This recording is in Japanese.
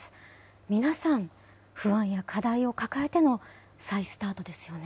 皆さん、不安や課題を抱えての再スタートですよね。